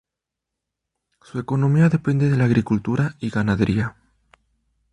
Su economía depende de la agricultura y ganadería.